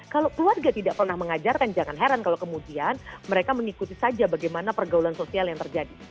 kalau keluarga tidak pernah mengajarkan jangan heran kalau kemudian mereka mengikuti saja bagaimana pergaulan sosial yang terjadi